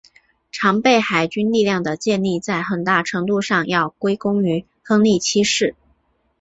常备海军力量的建立在很大程度上要归功于亨利七世。